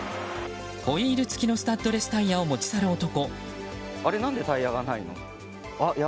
ホイール付きのスタッドレスタイヤを持ち去る男。